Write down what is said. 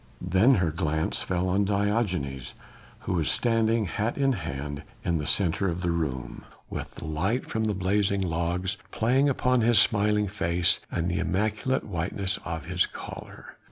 Then her glance fell on Diogenes, who was standing hat in hand in the centre of the room, with the light from the blazing logs playing upon his smiling face, and the immaculate whiteness of his collar.